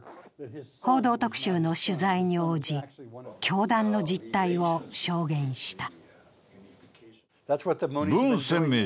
「報道特集」の取材に応じ、教団の実態を証言した。